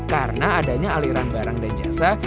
karena adanya aliran barang dan jasa